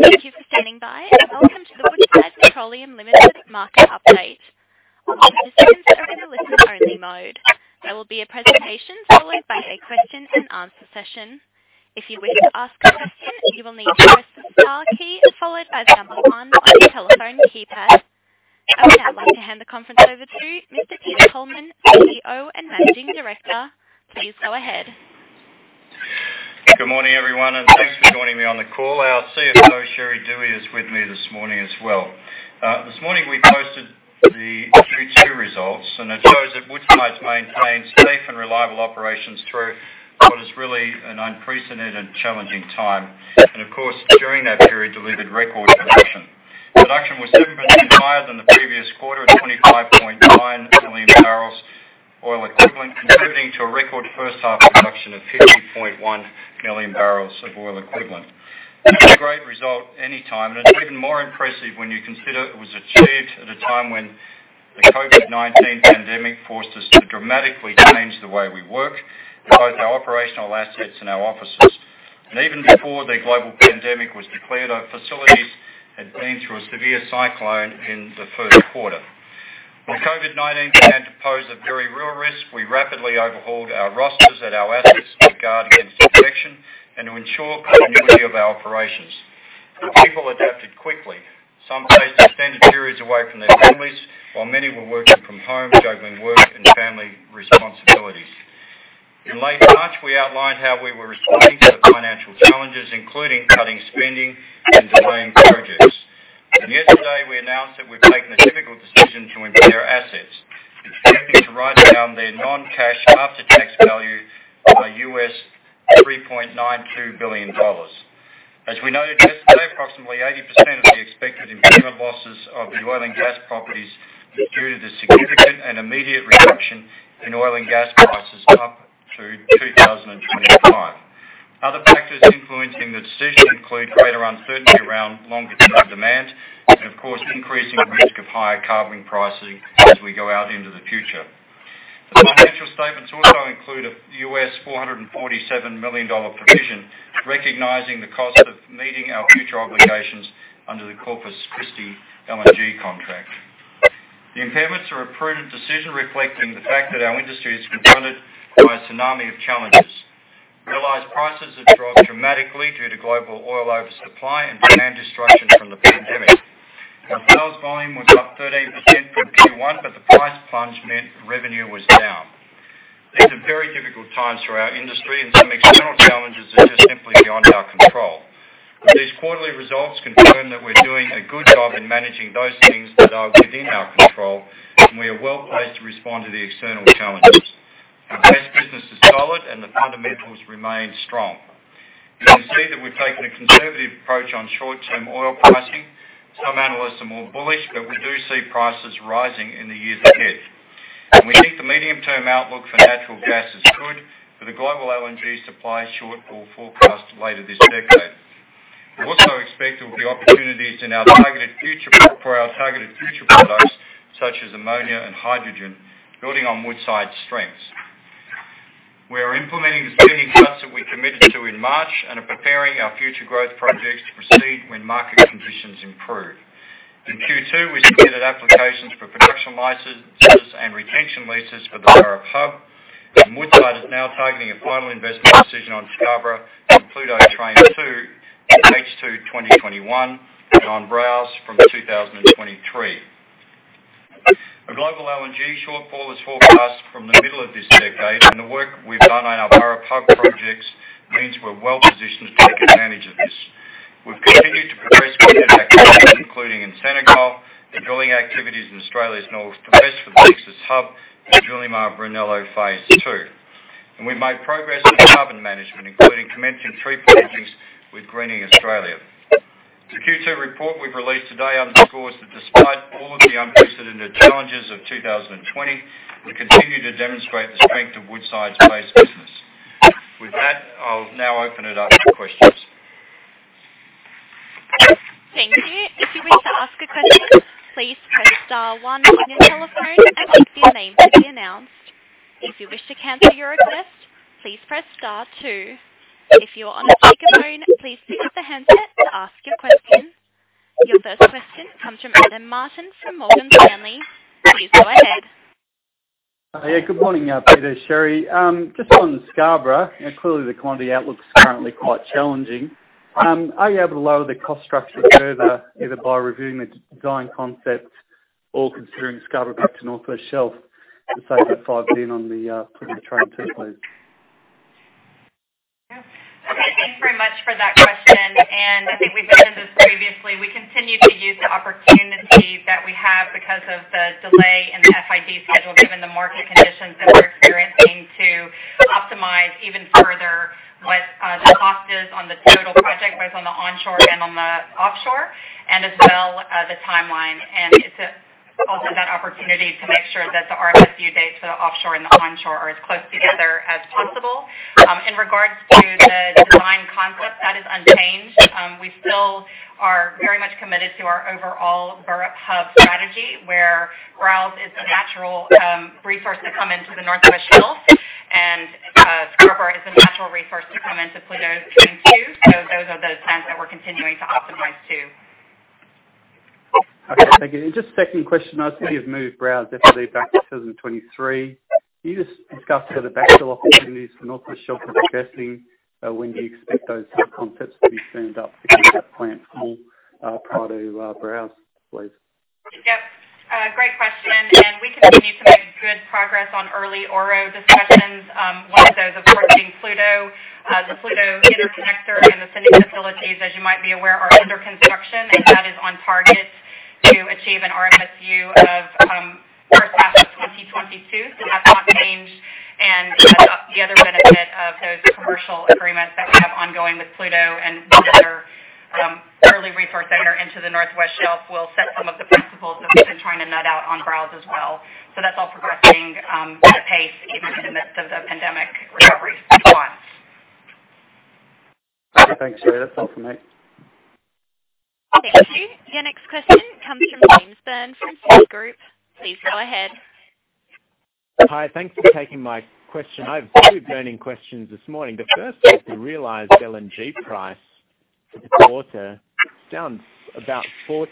Thank you for standing by, and welcome to the Woodside Petroleum Limited market update. On the participants, there will be a listen-only mode. There will be a presentation followed by a question-and-answer session. If you wish to ask a question, you will need to press the star key followed by the number one on your telephone keypad. I would now like to hand the conference over to Mr. Peter Coleman, CEO and Managing Director. Please go ahead. Good morning, everyone, and thanks for joining me on the call. Our CFO, Sherry Duhe, is with me this morning as well. This morning, we posted the Q2 results, and it shows that Woodside's maintained safe and reliable operations through what is really an unprecedented and challenging time, and of course, during that period, delivered record production. Production was 7% higher than the previous quarter at 25.9 million barrels of oil equivalent, contributing to a record first-half production of 50.1 million barrels of oil equivalent. That's a great result any time, and it's even more impressive when you consider it was achieved at a time when the COVID-19 pandemic forced us to dramatically change the way we work, both our operational assets and our offices, and even before the global pandemic was declared, our facilities had been through a severe cyclone in the first quarter. When COVID-19 began to pose a very real risk, we rapidly overhauled our rosters at our assets to guard against infection and to ensure continuity of our operations. People adapted quickly. Some faced extended periods away from their families, while many were working from home, juggling work and family responsibilities. In late March, we outlined how we were responding to the financial challenges, including cutting spending and delaying projects. Yesterday, we announced that we've taken a difficult decision to impair assets, expecting to write down their non-cash after-tax value by $3.92 billion. As we noted yesterday, approximately 80% of the expected impairment losses of the oil and gas properties is due to the significant and immediate reduction in oil and gas prices up through 2025. Other factors influencing the decision include greater uncertainty around longer-term demand and, of course, increasing risk of higher carbon pricing as we go out into the future. The financial statements also include a $447 million provision recognizing the cost of meeting our future obligations under the Corpus Christi LNG contract. The impairments are a prudent decision reflecting the fact that our industry is confronted by a tsunami of challenges. Oil prices have dropped dramatically due to global oil oversupply and demand destruction from the pandemic. Our sales volume was up 13% from Q1, but the price plunge meant revenue was down. These are very difficult times for our industry, and some external challenges are just simply beyond our control. But these quarterly results confirm that we're doing a good job in managing those things that are within our control, and we are well placed to respond to the external challenges. Our base business is solid, and the fundamentals remain strong. You can see that we've taken a conservative approach on short-term oil pricing. Some analysts are more bullish, but we do see prices rising in the years ahead, and we think the medium-term outlook for natural gas is good, but the global LNG supply shortage is forecast later this decade. We also expect there will be opportunities in our targeted future products, such as ammonia and hydrogen, building on Woodside's strengths. We are implementing the spending cuts that we committed to in March and are preparing our future growth projects to proceed when market conditions improve. In Q2, we submitted applications for production licenses and retention leases for the Burrup Hub, and Woodside is now targeting a final investment decision on Scarborough and Pluto Train II from H2 2021 and on Browse from 2023. A global LNG shortfall is forecast from the middle of this decade, and the work we've done on our Burrup Hub projects means we're well positioned to take advantage of this. We've continued to progress within our companies, including Senegal, the drilling activities in Australia's northwest, the Texas hub, and Julimar-Brunello Phase II, and we've made progress with carbon management, including commencing three projects with Greening Australia. The Q2 report we've released today underscores that despite all of the unprecedented challenges of 2020, we continue to demonstrate the strength of Woodside's base business. With that, I'll now open it up for questions. Thank you. If you wish to ask a question, please press star one on your telephone and keep your name from being announced. If you wish to cancel your request, please press star two. If you're on speakerphone, please pick up the handset to ask your question. Your first question comes from Adam Martin from Morgan Stanley. Please go ahead. Yeah, good morning, Peter. Sherry, just on Scarborough, clearly the commodity outlook's currently quite challenging. Are you able to lower the cost structure further, either by reviewing the design concept or considering Scarborough back to North West Shelf to save that $5 billion on the Pluto Train II, please? Okay. Thanks very much for that question, and I think we've attended this previously. We continue to use the opportunity that we have because of the delay in the FID schedule given the market conditions that we're experiencing to optimize even further what the cost is on the total project, both on the onshore and on the offshore, and as well the timeline, and it's also that opportunity to make sure that the RFSU dates for the offshore and the onshore are as close together as possible. In regards to the design concept, that is unchanged. We still are very much committed to our overall Burrup Hub strategy, where Browse is a natural resource to come into the North West Shelf, and Scarborough is a natural resource to come into Pluto Train II, so those are the plans that we're continuing to optimize to. Okay. Thank you. And just a second question. I see you've moved Browse definitely back to 2023. Can you just discuss the backfill opportunities for North West Shelf discussing when do you expect those concepts to be firmed up to keep that plant full prior to Browse, please? Yep. Great question. And we continue to make good progress on early ORO discussions, one of those, of course, being Pluto. The Pluto interconnector and the expansion facilities, as you might be aware, are under construction, and that is on target to achieve an RFSU of first half of 2022. So that's not changed. And the other benefit of those commercial agreements that we have ongoing with Pluto and the other early resource owners into the North West Shelf will set some of the principles that we've been trying to nut out on Browse as well. So that's all progressing at a pace even in the midst of the pandemic recovery spot. Okay. Thanks, Sherry. That's all from me. Thank you. Your next question comes from James Byrne from Citi. Please go ahead. Hi. Thanks for taking my question. I have two burning questions this morning. The first is the realized LNG price this quarter down about 40%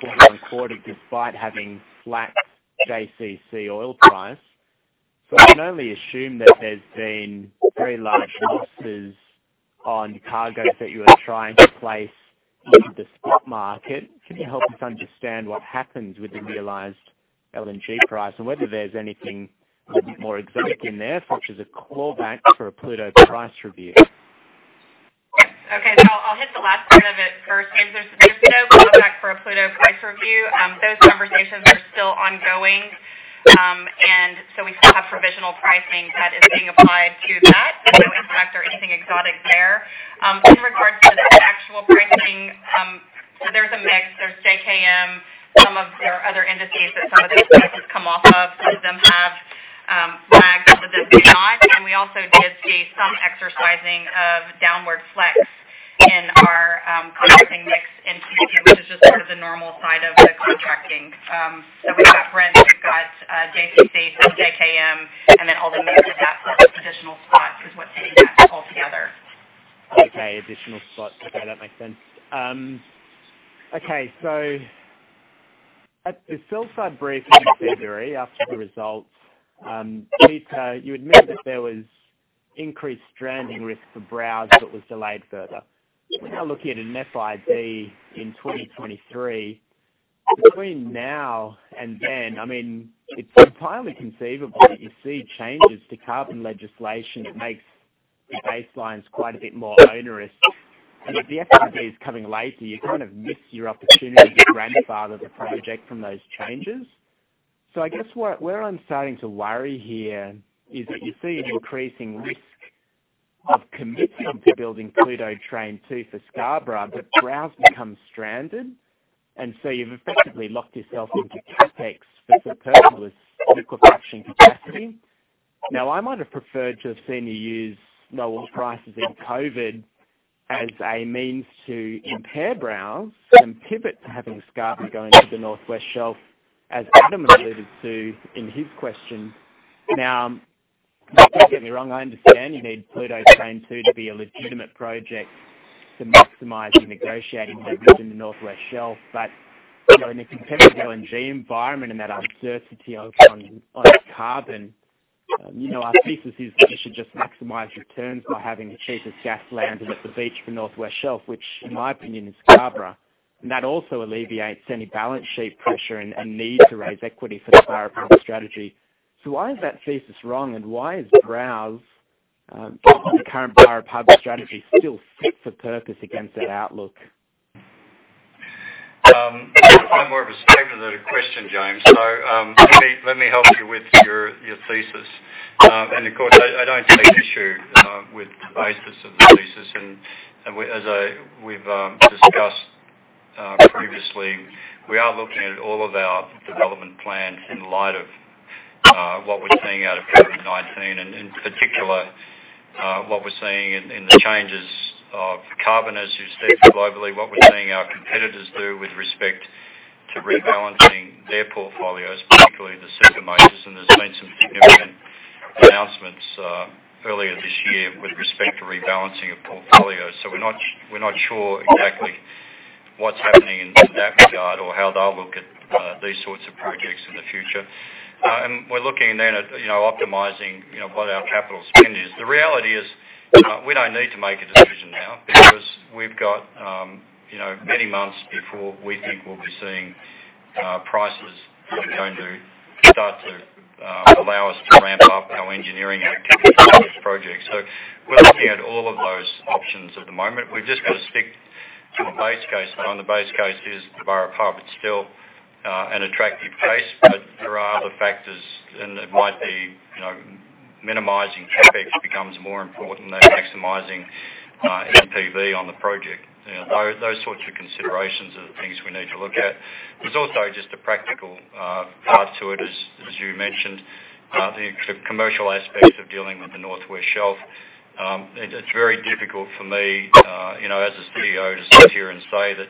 quarter-on-quarter despite having flat JCC oil price. So I can only assume that there's been very large losses on cargo that you are trying to place into the spot market. Can you help us understand what happens with the realized LNG price and whether there's anything a bit more exotic in there, such as a clawback for a Pluto price review? Okay. So I'll hit the last part of it first. There's no clawback for a Pluto price review. Those conversations are still ongoing. And so we still have provisional pricing that is being applied to that. So we don't expect anything exotic there. In regards to the actual pricing, there's a mix. There's JKM, some of their other indices that some of those prices come off of. Some of them have lagged, some of them do not. And we also did see some exercising of downward flex in our contracting mix in Pluto, which is just sort of the normal side of the contracting. So we've got Brent, we've got JCC, some JKM, and then all the mix of that plus additional spot is what's in that altogether. Okay. That makes sense. So the sales side brief in February, after the results, Peter, you admitted that there was increased stranding risk for Browse that was delayed further. We're now looking at an FID in 2023. Between now and then, I mean, it's entirely conceivable that you see changes to carbon legislation that makes the baselines quite a bit more onerous. And if the FID is coming later, you kind of miss your opportunity to grandfather the project from those changes. So I guess where I'm starting to worry here is that you see an increasing risk of commitment to building Pluto Train II for Scarborough, but Browse becomes stranded. And so you've effectively locked yourself into CapEx for perpetual liquefaction capacity. Now, I might have preferred to have seen you use lower prices in COVID as a means to impair Browse and pivot to having Scarborough go into the North West Shelf, as Adam alluded to in his question. Now, don't get me wrong, I understand you need Pluto Train II to be a legitimate project to maximize the negotiating leverage in the North West Shelf. But in a competitive LNG environment and that uncertainty on carbon, our thesis is that you should just maximize returns by having the cheapest gas landing at the beach for North West Shelf, which, in my opinion, is Scarborough. And that also alleviates any balance sheet pressure and need to raise equity for the Burrup Hub strategy. So why is that thesis wrong, and why is Browse's current Burrup Hub strategy still fit for purpose against that outlook? I'm more of a speculative question, James, so let me help you with your thesis, and of course, I don't see an issue with the basis of the thesis, and as we've discussed previously, we are looking at all of our development plans in light of what we're seeing out of COVID-19, and in particular, what we're seeing in the changes in carbon, as you said, globally, what we're seeing our competitors do with respect to rebalancing their portfolios, particularly the supermajors, and there's been some significant announcements earlier this year with respect to rebalancing of portfolios, so we're not sure exactly what's happening in that regard or how they'll look at these sorts of projects in the future, and we're looking then at optimizing what our capital spend is. The reality is we don't need to make a decision now because we've got many months before we think we'll be seeing prices that are going to start to allow us to ramp up our engineering activity on these projects. So we're looking at all of those options at the moment. We've just got to stick to a base case. But on the base case is the Burrup Hub. It's still an attractive case, but there are other factors, and it might be minimizing CapEx becomes more important than maximizing NPV on the project. Those sorts of considerations are the things we need to look at. There's also just a practical part to it, as you mentioned, the commercial aspects of dealing with the North West Shelf. It's very difficult for me, as a CEO, to sit here and say that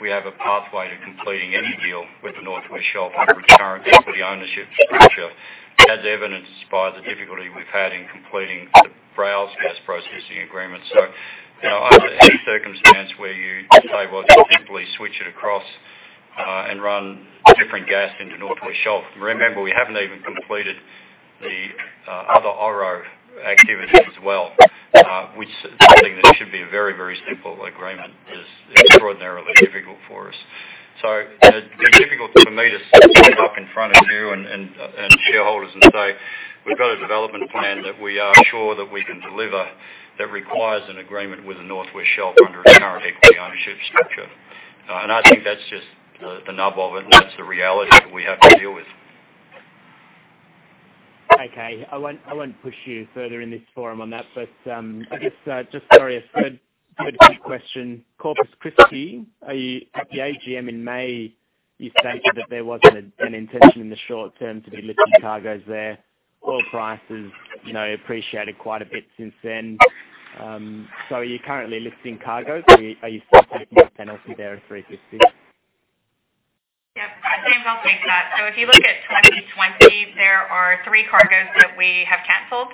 we have a pathway to completing any deal with the North West Shelf under current equity ownership structure, as evidenced by the difficulty we've had in completing the Browse gas processing agreement, so under any circumstance where you say, "Well, simply switch it across and run different gas into North West Shelf." Remember, we haven't even completed the other ORO activity as well, which is something that should be a very, very simple agreement. It's extraordinarily difficult for us. So it's difficult for me to stand up in front of you and shareholders and say, "We've got a development plan that we are sure that we can deliver that requires an agreement with the North West Shelf under its current equity ownership structure." And I think that's just the nub of it, and that's the reality that we have to deal with. Okay. I won't push you further in this forum on that, but I guess just curious, good question. Corpus Christi, at the AGM in May, you stated that there was an intention in the short term to be lifting cargoes there. Oil prices appreciated quite a bit since then. So are you currently lifting cargoes, or are you still taking a penalty there of 350? Yep. James, I'll take that. So if you look at 2020, there are three cargoes that we have canceled.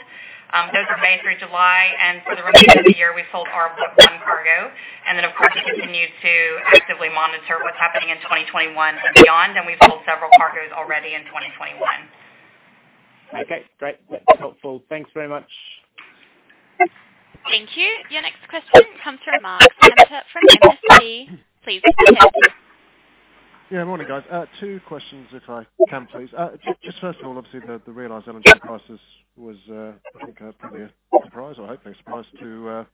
Those are May through July. And for the remainder of the year, we've sold our one cargo. And then, of course, we continue to actively monitor what's happening in 2021 and beyond. And we've sold several cargoes already in 2021. Okay. Great. That's helpful. Thanks very much. Thank you. Your next question comes from Mark Emmett from MST. Please continue. Yeah. Morning, guys. Two questions, if I can, please. Just first of all, obviously, the realized LNG prices was, I think, a surprise, or hopefully a surprise, to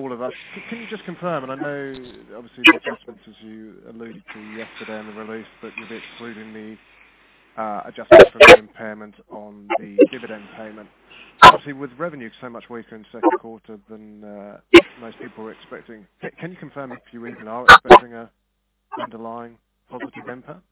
all of us. Can you just confirm? And I know, obviously, the adjustment, as you alluded to yesterday in the release, that you'll be excluding the adjustment for the impairment on the dividend payment. Obviously, with revenue so much weaker in the second quarter than most people were expecting, can you confirm if you even are expecting an underlying positive impact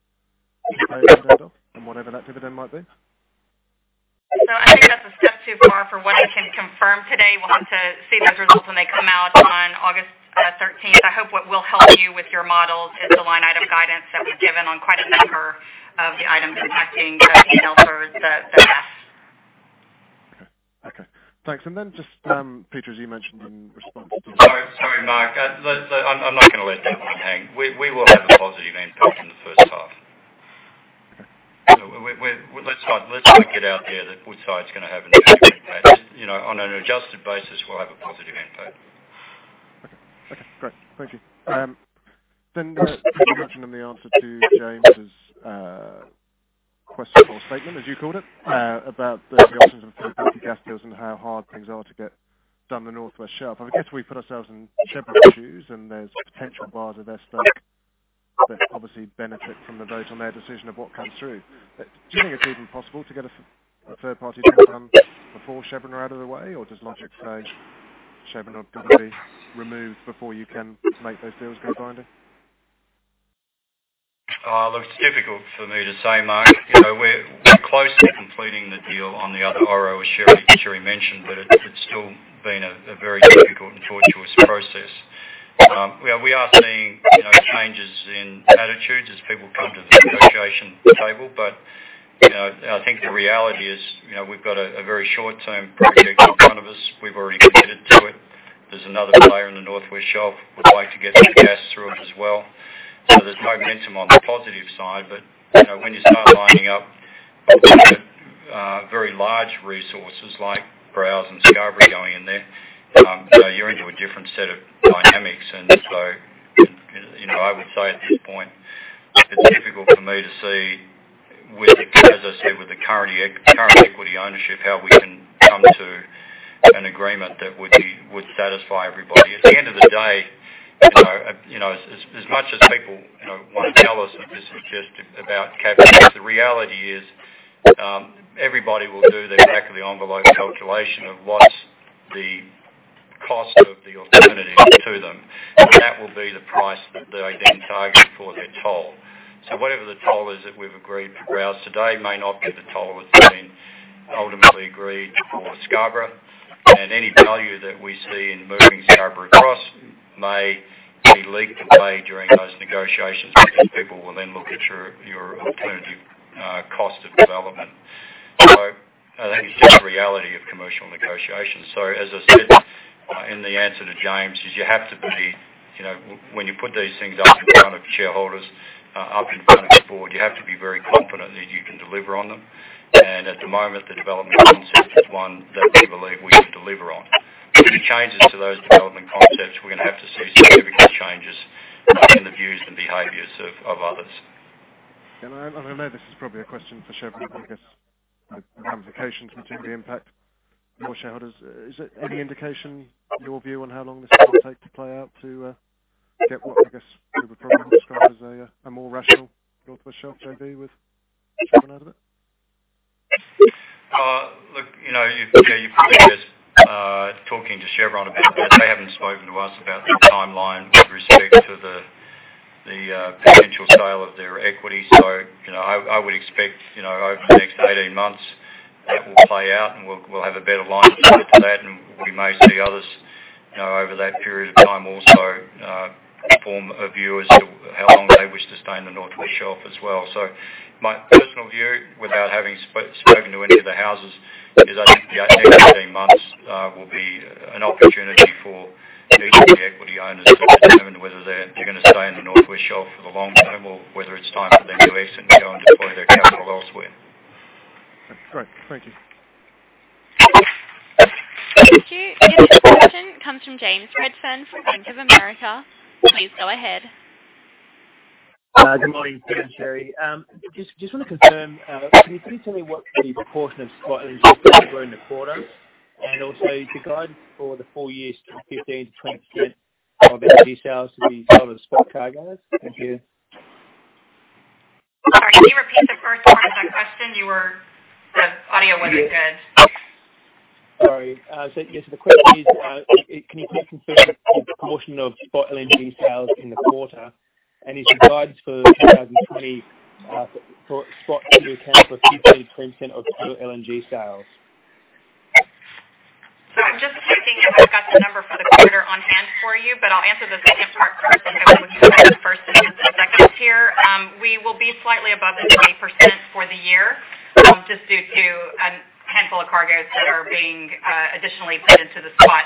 on whatever that dividend might be? No. I think that's a step too far for what I can confirm today. We'll have to see those results when they come out on August 13th. I hope what will help you with your models is the line item guidance that we've given on quite a number of the items impacting the impairment for the first half. Okay. Okay. Thanks. And then just, Peter, as you mentioned in response to. Sorry, Mark. I'm not going to let that one hang. We will have a positive impact in the first half. So let's try and get out there which side's going to have an impact. On an adjusted basis, we'll have a positive impact. Okay. Okay. Great. Thank you. Then you mentioned in the answer to James's question or statement, as you called it, about the options of gas deals and how hard things are to get done in the North West Shelf. I guess we put ourselves in Chevron's shoes, and there's potential bars of their stock that obviously benefit from the vote on their decision of what comes through. Do you think it's even possible to get a third-party deal done before Chevron are out of the way, or does logic say Chevron will be removed before you can make those deals go binding? Look, it's difficult for me to say, Mark. We're close to completing the deal on the other ORO, as Sherry mentioned, but it's still been a very difficult and tortuous process. We are seeing changes in attitudes as people come to the negotiation table. But I think the reality is we've got a very short-term project in front of us. We've already committed to it. There's another player in the North West Shelf. We're waiting to get some gas through it as well. So there's momentum on the positive side. But when you start lining up very large resources like Browse and Scarborough going in there, you're into a different set of dynamics. And so I would say at this point, it's difficult for me to see, as I said, with the current equity ownership, how we can come to an agreement that would satisfy everybody. At the end of the day, as much as people want to tell us that this is just about CapEx, the reality is everybody will do their back-of-the-envelope calculation of what's the cost of the alternative to them. And that will be the price that they then target for their toll. So whatever the toll is that we've agreed for Browse today may not be the toll that's been ultimately agreed for Scarborough. And any value that we see in moving Scarborough across may be leaked away during those negotiations because people will then look at your alternative cost of development. So I think it's just the reality of commercial negotiations. So, as I said in the answer to James, is you have to be very confident when you put these things up in front of shareholders, up in front of the board, that you can deliver on them. And at the moment, the development concept is one that we believe we can deliver on. If it changes to those development concepts, we're going to have to see significant changes in the views and behaviors of others. And I know this is probably a question for Chevron, I guess, the ramifications, the impact for shareholders. Is there any indication, your view, on how long this will take to play out to get what, I guess, we would probably describe as a more rational North West Shelf JV with Chevron out of it? Look, you've probably heard us talking to Chevron a bit, but they haven't spoken to us about the timeline with respect to the potential sale of their equity. So I would expect over the next 18 months that will play out, and we'll have a better line of sight to that, and we may see others over that period of time also form a view as to how long they wish to stay in the North West Shelf as well, so my personal view, without having spoken to any of the houses, is I think the next 18 months will be an opportunity for each of the equity owners to determine whether they're going to stay in the North West Shelf for the long term or whether it's time for them to exit and go and deploy their capital elsewhere. Okay. Great. Thank you. Thank you. Your next question comes from James Redfern from Bank of America. Please go ahead. Good morning, Tim and Sherry. Just want to confirm, can you please tell me what the proportion of spot LNGs that will grow in the quarter and also to guide for the four years to 15%-20% of LNG sales to be sold as spot cargoes? Thank you. Sorry. Can you repeat the first part of that question? The audio wasn't good. Sorry. So the question is, can you please confirm the proportion of spot LNG sales in the quarter? And is the guidance for 2020 for spot to account for 15%-20% of total LNG sales? I'm just checking if I've got the number for the quarter on hand for you, but I'll answer the second part first. We will be slightly above the 20% for the year just due to a handful of cargoes that are being additionally put into the spot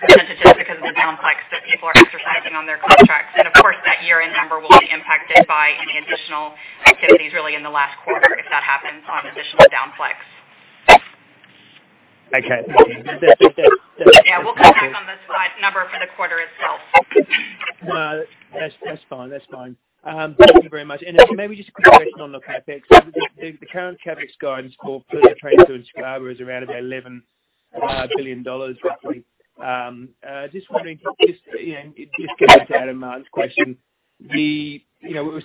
percentage because of the down flex that people are exercising on their contracts. And of course, that year-end number will be impacted by any additional activities really in the last quarter if that happens on additional down flex. Okay. Yeah. We'll come back on the number for the quarter itself. That's fine. That's fine. Thank you very much. And maybe just a quick question on the CapEx. The current CapEx guidance for Pluto trains doing Scarborough is around about $11 billion, roughly. Just wondering, just getting into Adam Martin's question, we're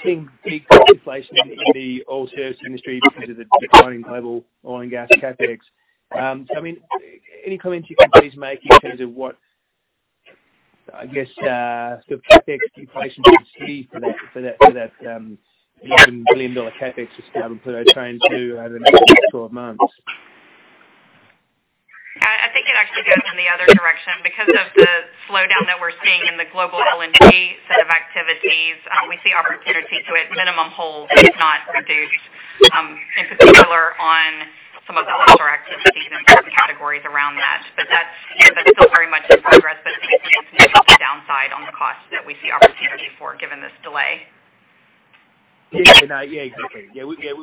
seeing big inflation in the oil service industry because of the declining global oil and gas CapEx. So I mean, any comments you can please make in terms of what, I guess, sort of CapEx inflation could be for that $11 billion CapEx to scale and put a train to over the next 12 months? I think it actually goes in the other direction. Because of the slowdown that we're seeing in the global LNG set of activities, we see opportunity to at minimum hold, if not reduce, in particular on some of the offshore activities and certain categories around that. But that's still very much in progress, but maybe to the downside on the cost that we see opportunity for given this delay. Yeah. Yeah. Exactly. Yeah. Yeah.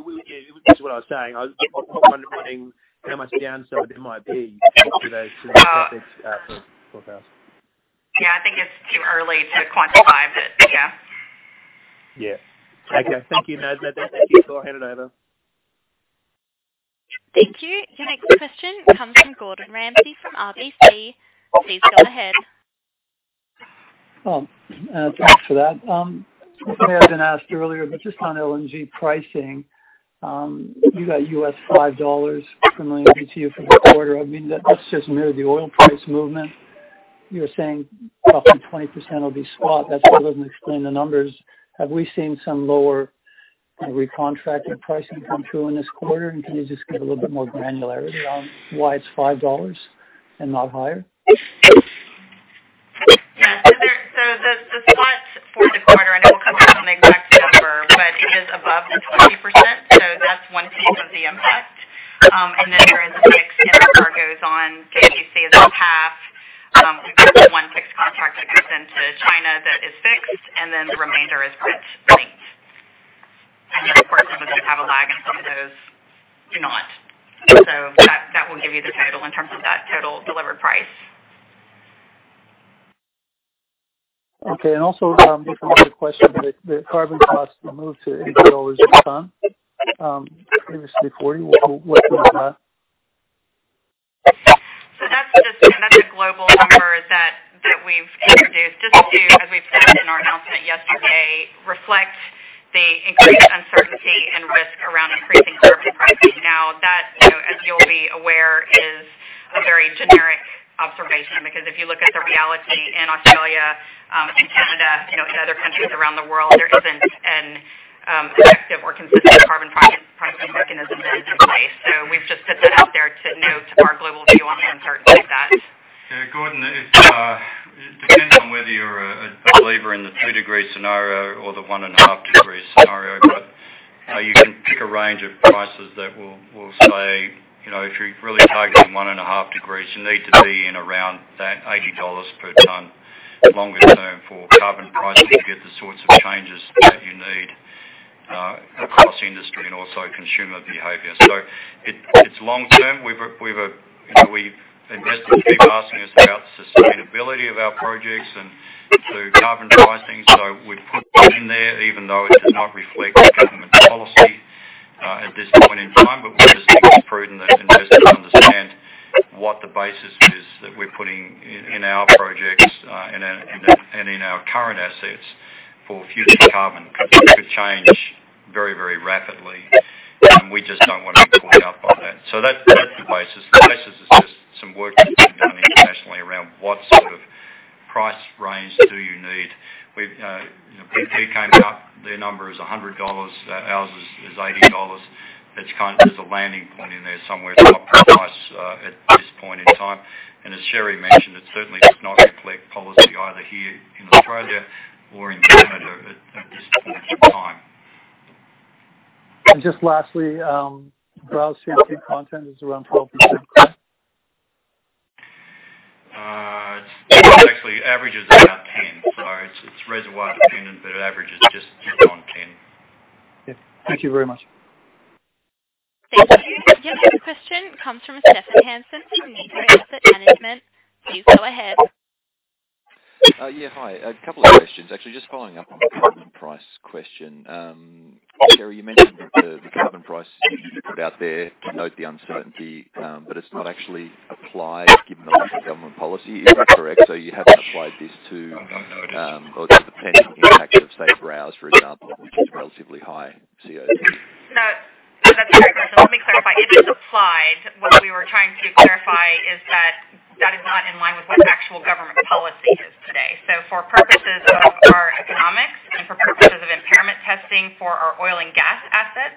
This is what I was saying. I'll come Monday morning and I might see downside in my opinion to those CapEx forecasts. Yeah. I think it's too early to quantify it, but yeah. Yeah. Okay. Thank you, Mad. Thank you for your hand, Adam. Thank you. Your next question comes from Gordon Ramsay from RBC. Please go ahead. Thanks for that. Something I've been asked earlier, but just on LNG pricing, you got $5 per million BTU for the quarter. I mean, that's just near the oil price movement. You were saying roughly 20% will be spot. That still doesn't explain the numbers. Have we seen some lower recontracted pricing come through in this quarter? And can you just give a little bit more granularity on why it's $5 and not higher? Yeah. So the spot for the quarter, I know we'll come back on the exact number, but it is above the 20%. So that's one piece of the impact. And then there is a fixed number of cargoes on JCC as a path. We've got one fixed contract that goes into China that is fixed, and then the remainder is Brent linked. And then, of course, some of those have a lag, and some of those do not. So that will give you the total in terms of that total delivered price. Okay, and also, just another question, the carbon costs will move to $80 a ton, previously $40. What's with that? So that's a global number that we've introduced just to, as we said in our announcement yesterday, reflect the increased uncertainty and risk around increasing carbon pricing. Now, that, as you'll be aware, is a very generic observation because if you look at the reality in Australia, in Canada, in other countries around the world, there isn't an effective or consistent carbon pricing mechanism in place. So we've just put that out there to note our global view on uncertainty of that. Gordon, it depends on whether you're a believer in the two-degree scenario or the one-and-a-half-degree scenario, but you can pick a range of prices that will say if you're really targeting one-and-a-half degrees, you need to be in around that $80 per ton longer term for carbon pricing to get the sorts of changes that you need across industry and also consumer behavior. So it's long-term. We've had investors asking us about the sustainability of our projects and the carbon pricing. So we've put that in there even though it does not reflect government policy at this point in time. But we just think it's prudent that investors understand what the basis is that we're putting in our projects and in our current assets for future carbon because it could change very, very rapidly. And we just don't want to be caught out by that. So that's the basis. The basis is just some work to be done internationally around what sort of price range do you need. We came out. Their number is $100. Ours is $80. There's a landing point in there somewhere. It's not precise at this point in time. And as Sherry mentioned, it certainly does not reflect policy either here in Australia or in Canada at this point in time. Just lastly, Browse CP content is around 12%, correct? It actually averages about 10. So it's reservoir dependent, but it averages just on 10. Yeah. Thank you very much. Thank you. Your next question comes from Stephen Hanson from Maitri Asset Management. Please go ahead. Yeah. Hi. A couple of questions, actually, just following up on the carbon price question. Sherry, you mentioned that the carbon price is put out there to note the uncertainty, but it's not actually applied given the lack of government policy. Is that correct? So you haven't applied this to, or to the potential impact of, say, Browse, for example, which is relatively high CO2. No. That's very good. So let me clarify. It is applied. What we were trying to clarify is that that is not in line with what actual government policy is today. So for purposes of our economics and for purposes of impairment testing for our oil and gas assets,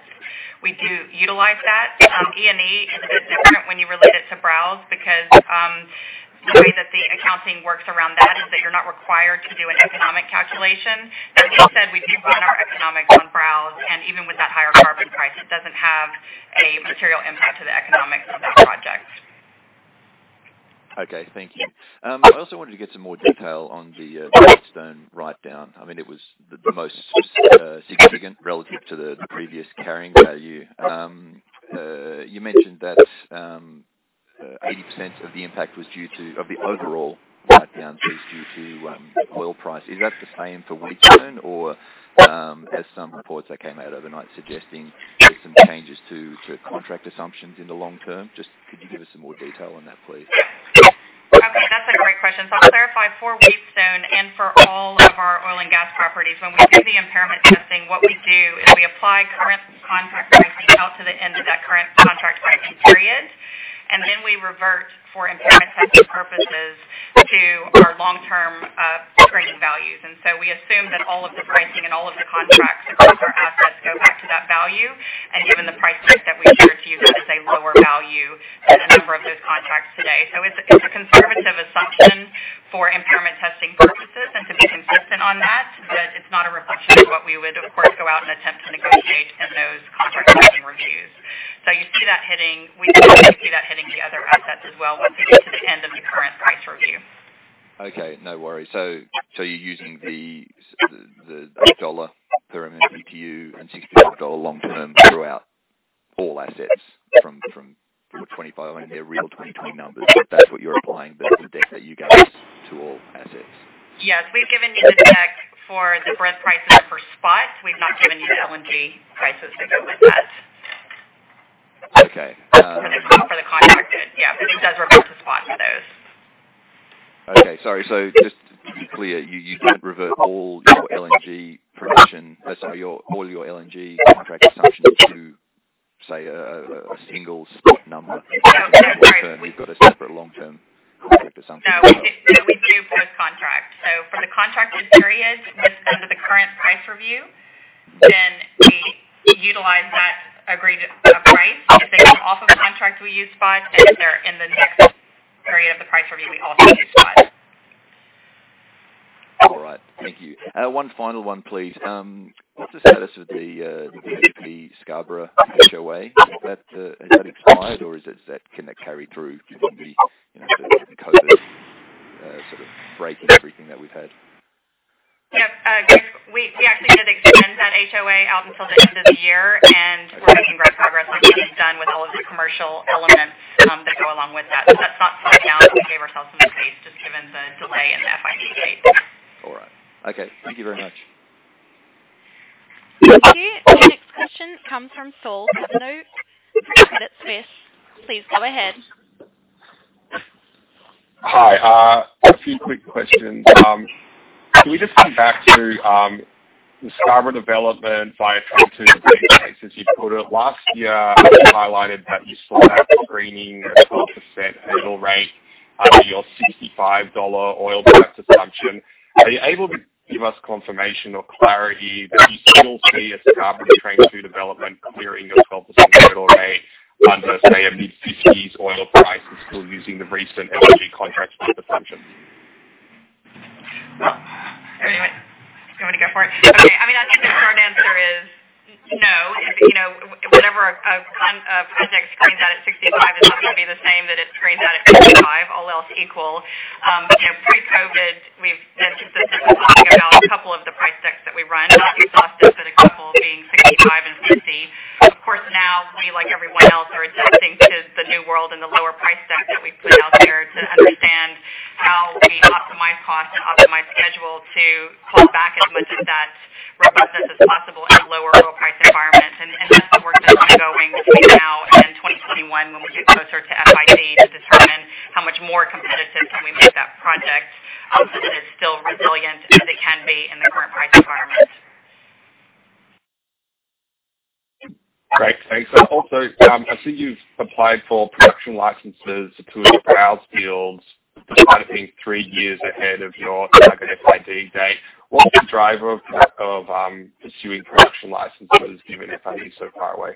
we do utilize that. E&E is a bit different when you relate it to Browse because the way that the accounting works around that is that you're not required to do an economic calculation. That being said, we do run our economics on Browse. And even with that higher carbon price, it doesn't have a material impact to the economics of that project. Okay. Thank you. I also wanted to get some more detail on the Wheatstone write-down. I mean, it was the most significant relative to the previous carrying value. You mentioned that 80% of the impact was due to of the overall write-downs was due to oil price. Is that the same for Wheatstone or, as some reports that came out overnight, suggesting there's some changes to contract assumptions in the long term? Just could you give us some more detail on that, please? Okay. That's a great question. So I'll clarify for Wheatstone and for all of our oil and gas properties, when we do the impairment testing, what we do is we apply current contract pricing out to the end of that current contract pricing period. And then we revert for impairment testing purposes to our long-term trading values. And so we assume that all of the pricing and all of the contracts across our assets go back to that value. And given the price point that we shared to you, that is a lower value than the number of those contracts today. So it's a conservative assumption for impairment testing purposes and to be consistent on that, but it's not a reflection of what we would, of course, go out and attempt to negotiate in those contract testing reviews. So, you see that hitting. We see that hitting the other assets as well once we get to the end of the current price review. Okay. No worries. So you're using the $8 per MNPTU and $65 long-term throughout all assets from 2025. I mean, they're real 2020 numbers. That's what you're applying, but it's a deck that you gave us to all assets. Yes. We've given you the deck for the Brent prices per spot. We've not given you the LNG prices to go with that. Okay. For the contracted. Yeah. But it does revert to spot for those. So just to be clear, you don't revert all your LNG contract assumptions to, say, a single spot number? No. That's right. Long-term. You've got a separate long-term contract assumption. No. We do post-contract. So for the contracted periods within the current price review, then we utilize that agreed-up price. If they come off of contract, we use spot, and if they're in the next period of the price review, we also use spot. All right. Thank you. One final one, please. What's the status of the BHP Scarborough HOA? Has that expired, or is that going to carry through with the COVID sort of break and everything that we've had? Yep. We actually did extend that HOA out until the end of the year, and we're making great progress on getting done with all of the commercial elements that go along with that. But that's not fully out. We gave ourselves some space just given the delay in the FID date. All right. Okay. Thank you very much. Thank you. Your next question comes from Saul Kavonic, Credit Suisse. Please go ahead. Hi. A few quick questions. Can we just come back to the Scarborough development via the trains to the Pluto as you put it? Last year, you highlighted that you still have screening at a 12% annual rate under your $65 oil price assumption. Are you able to give us confirmation or clarity that you still see the Scarborough development clearing your 12% annual rate under, say, a mid-50s oil price and still using the recent LNG contract assumption? Anyway, do you want me to go for it? Okay. I mean, I think the short answer is no. Whatever a project screens at 65 is not going to be the same that it screens at 55, all else equal. Pre-COVID, we've been consistently talking about a couple of the price decks that we run, not exhaustive, but a couple being 65 and 50. Of course, now, we, like everyone else, are adjusting to the new world and the lower price decks that we've put out there to understand how we optimize cost and optimize schedule to hold back as much of that revenue as possible in a lower oil price environment. That's the work that's ongoing between now and 2021 when we get closer to FID to determine how much more competitive can we make that project so that it's still resilient as it can be in the current price environment. Great. Thanks. Also, I see you've applied for production licenses to two of your Browse fields, despite it being three years ahead of your target FID date. What's the driver of pursuing production licenses, given FID so far away?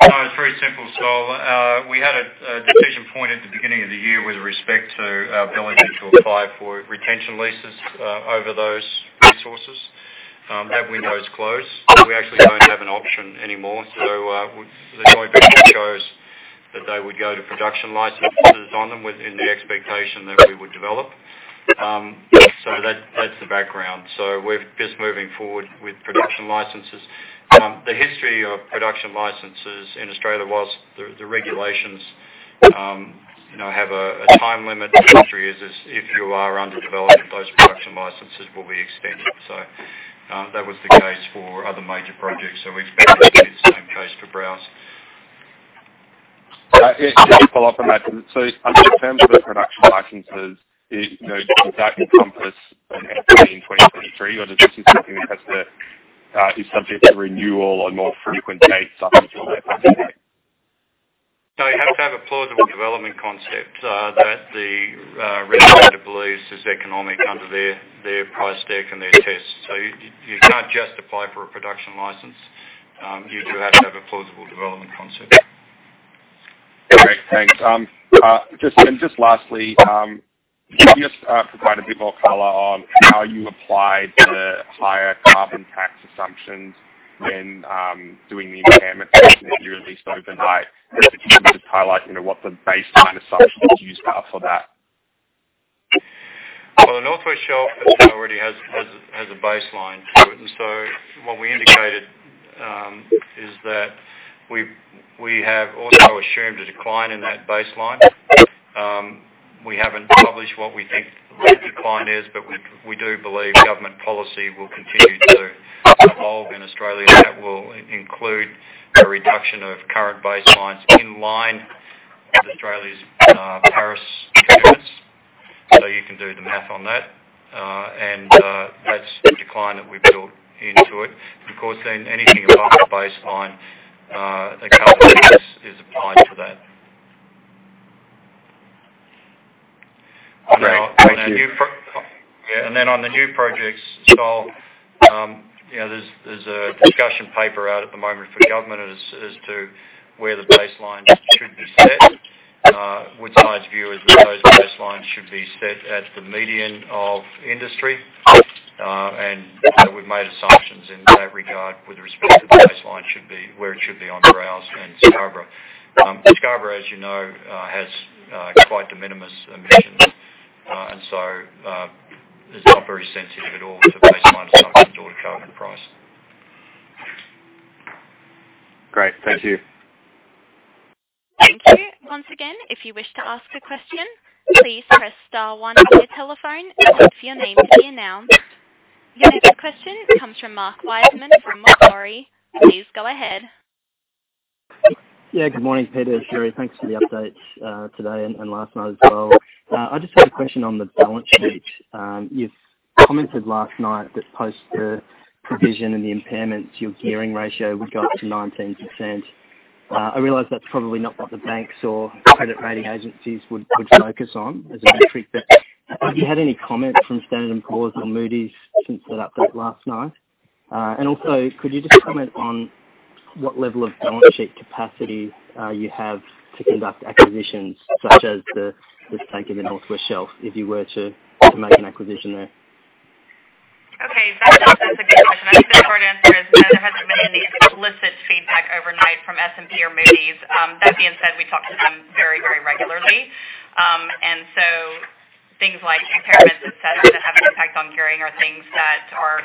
It's very simple. We had a decision point at the beginning of the year with respect to our ability to apply for retention leases over those resources. That window is closed. We actually don't have an option anymore. The joint venture chose that they would go to production licenses on them within the expectation that we would develop. That's the background. We're just moving forward with production licenses. The history of production licenses in Australia was the regulations have a time limit. The history is if you are under development, those production licenses will be extended. That was the case for other major projects. We expect to see the same case for Browse. Just to follow up on that, so in terms of the production licenses, does that encompass FID in 2023, or is this something that is subject to renewal on more frequent dates up until that day? So you have to have a plausible development concept that the retention lease is economic under their price deck and their tests. So you can't just apply for a production license. You do have to have a plausible development concept. Great. Thanks, and just lastly, could you just provide a bit more color on how you applied the higher carbon tax assumptions when doing the impairment testing that you released overnight? Just highlight what the baseline assumptions used are for that. The North West Shelf authority has a baseline to it. So what we indicated is that we have also assumed a decline in that baseline. We haven't published what we think the decline is, but we do believe government policy will continue to evolve in Australia. That will include a reduction of current baselines in line with Australia's Paris Agreement. You can do the math on that. That's the decline that we built into it. Of course, then anything above the baseline, the carbon tax is applied to that. Great. Thank you. Yeah. And then on the new projects, so there's a discussion paper out at the moment for government as to where the baseline should be set. Woodside's view is that those baselines should be set at the median of industry. And we've made assumptions in that regard with respect to the baseline where it should be on Browse and Scarborough. Scarborough, as you know, has quite de minimis emissions. And so it's not very sensitive at all to baseline assumptions or the current price. Great. Thank you. Thank you. Once again, if you wish to ask a question, please press star one on your telephone and wait for your name to be announced. Your next question comes from Mark Wiseman from Macquarie. Please go ahead. Yeah. Good morning, Peter. Sherry, thanks for the updates today and last night as well. I just had a question on the balance sheet. You've commented last night that post the provision and the impairments, your gearing ratio would go up to 19%. I realize that's probably not what the banks or credit rating agencies would focus on as a metric, but have you had any comment from Standard & Poor's or Moody's since that update last night? And also, could you just comment on what level of balance sheet capacity you have to conduct acquisitions, such as the sale of the North West Shelf, if you were to make an acquisition there? Okay. That's a good question. I think the short answer is there hasn't been any explicit feedback overnight from S&P or Moody's. That being said, we talk to them very, very regularly. And so things like impairments, etc., that have an impact on gearing are things that are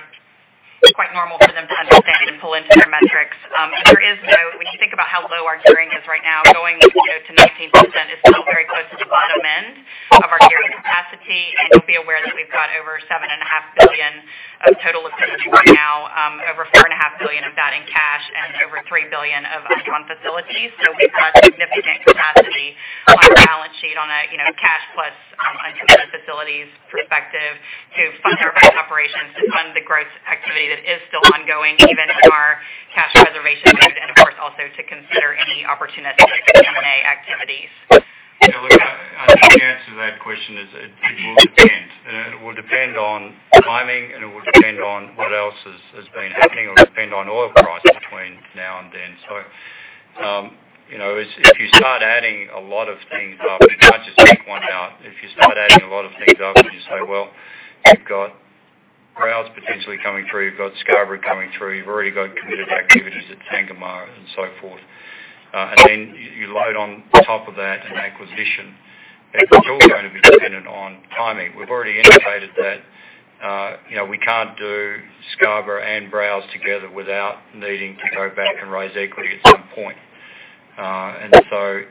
quite normal for them to understand and pull into their metrics. There is no, when you think about how low our gearing is right now, going to 19% is still very close to the bottom end of our gearing capacity. And you'll be aware that we've got over $7.5 billion of total liquidity right now, over $4.5 billion of that in cash, and over $3 billion of undrawn facilities. So we've got significant capacity on our balance sheet on a cash plus undrawn facilities perspective to fund our core operations, to fund the growth activity that is still ongoing, even in our cash conservation period, and of course, also to consider any opportunistic M&A activities. Yeah. Look, I think the answer to that question is it will depend. It will depend on timing, and it will depend on what else has been happening, or it will depend on oil price between now and then. So if you start adding a lot of things up, you can't just pick one out. If you start adding a lot of things up, you say, "Well, you've got Browse potentially coming through. You've got Scarborough coming through. You've already got committed activities at Sangomar and so forth." And then you load on top of that an acquisition that's also going to be dependent on timing. We've already indicated that we can't do Scarborough and Browse together without needing to go back and raise equity at some point. And so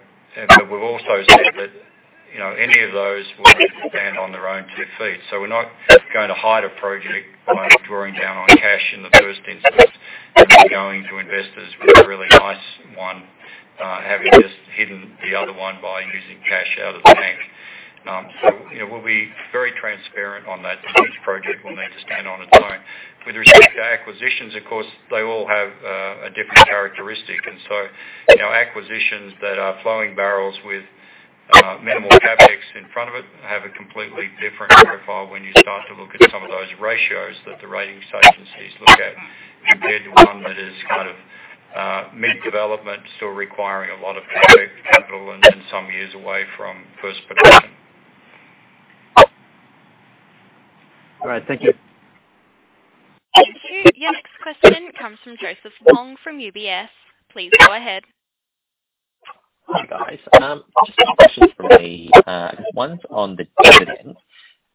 we've also said that any of those will have to stand on their own two feet. So we're not going to hide a project while we're drawing down on cash in the first instance. And we're going to investors with a really nice one, having just hidden the other one by using cash out of the bank. So we'll be very transparent on that. Each project will need to stand on its own. With respect to acquisitions, of course, they all have a different characteristic. And so acquisitions that are flowing barrels with minimal CapEx in front of it have a completely different profile when you start to look at some of those ratios that the rating agencies look at compared to one that is kind of mid-development, still requiring a lot of CapEx capital and some years away from first production. All right. Thank you. Thank you. Your next question comes from Joseph Wong from UBS. Please go ahead. Hi guys. Just a few questions for me. One's on the dividend.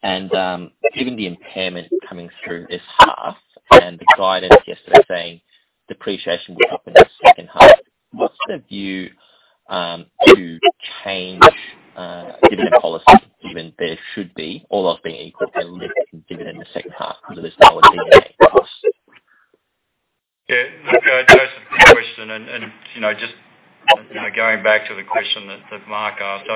And given the impairment coming through this half and the guidance yesterday saying depreciation will happen in the second half, what's the view to change dividend policy, given there should be all things being equal, a lift in dividend in the second half because there's now a dividend paying cost? Yeah. Joseph, quick question. And just going back to the question that Mark asked,